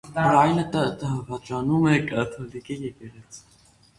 Բրայանտը դավանում է կաթոլիկ եկեղեցուն։